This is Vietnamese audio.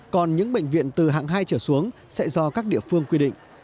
còn những bệnh viện từ hạng hai trở xuống sẽ do các địa phương quy định